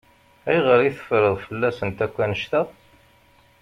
Ayɣer i teffreḍ fell-asent akk annect-a?